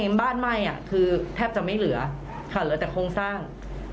บ้านไหม้คือแทบจะไม่เหลือค่ะเหลือแต่โครงสร้าง